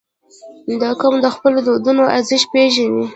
• دا قوم د خپلو دودونو ارزښت پېژني.